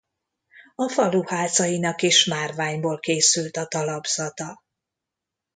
A falu házainak is márványból készült a talapzata.